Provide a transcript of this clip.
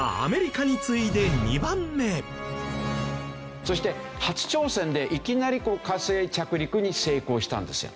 これはそして初挑戦でいきなり火星着陸に成功したんですよ。